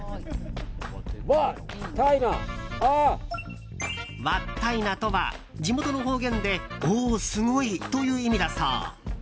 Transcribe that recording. わったいなとは地元の方言でおお、すごいという意味だそう。